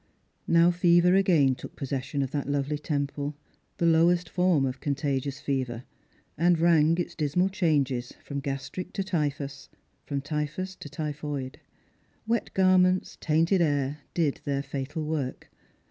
Now fever again took possession of that lovely temple — the lowest form of contagious fever — and rang its dismal changes from gastric to typhus, from typhus to typhoid. Wet garments, tainted air, did their fatal work.